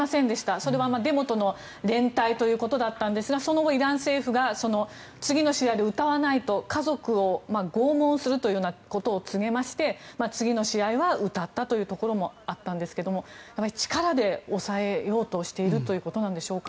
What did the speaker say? それはデモとの連帯ということだったんですがその後、イラン政府が次の試合で歌わないと家族を拷問するということを告げまして次の試合は歌ったということもあったんですが力で抑えようとしているということなんでしょうか。